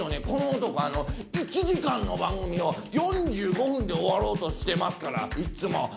この男１時間の番組を４５分で終わろうとしてますからいっつも。